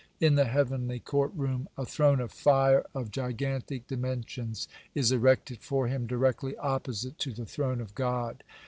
In the heavenly court room a throne of fire of gigantic dimensions is erected for him directly opposite to the throne of God.